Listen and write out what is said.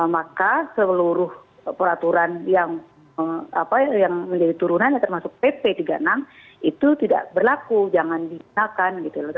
maka seluruh peraturan yang menjadi turunannya termasuk pp tiga puluh enam itu tidak berlaku jangan digunakan gitu loh